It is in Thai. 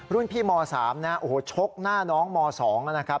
รุ่นพี่ม๓ชกหน้าน้องม๒นะครับ